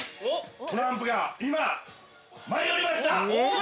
トランプが今、舞い降りました。